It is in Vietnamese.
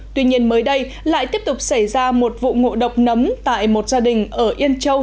tuy nhiên mới đây lại tiếp tục xảy ra một vụ ngộ độc nấm tại một gia đình ở yên châu